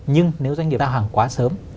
nhưng nếu doanh nghiệp giao hàng quá sớm